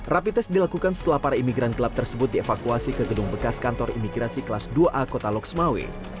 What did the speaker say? rapites dilakukan setelah para imigran gelap tersebut dievakuasi ke gedung bekas kantor imigrasi kelas dua a kota loks mawi